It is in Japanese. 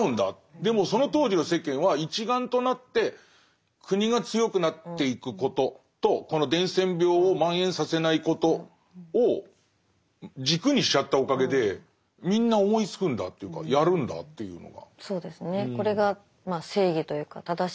でもその当時の世間は一丸となって国が強くなっていくこととこの伝染病を蔓延させないことを軸にしちゃったおかげでみんな思いつくんだっていうかやるんだっていうのが。